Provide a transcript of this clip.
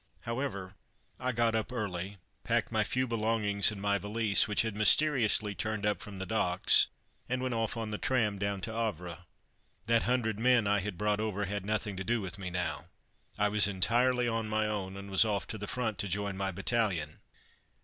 However, I got up early packed my few belongings in my valise, which had mysteriously turned up from the docks, and went off on the tram down to Havre. That hundred men I had brought over had nothing to do with me now. I was entirely on my own, and was off to the Front to join my battalion.